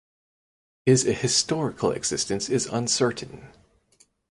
His historical existence is uncertain.